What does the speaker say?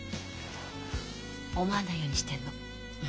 思わないようにしてるの。